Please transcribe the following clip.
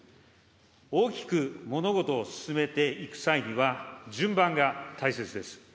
大きく物事を進めていく際には、順番が大切です。